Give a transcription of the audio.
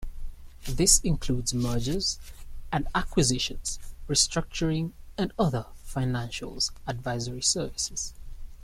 This includes mergers and acquisitions, restructuring, and other financial advisory services.